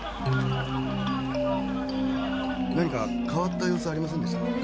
何か変わった様子はありませんでしたか？